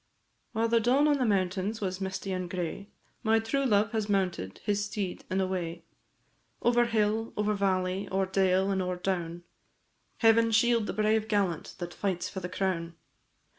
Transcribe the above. While the dawn on the mountain was misty and gray, My true love has mounted his steed and away, Over hill, over valley, o'er dale, and o'er down; Heaven shield the brave gallant that fights for the crown!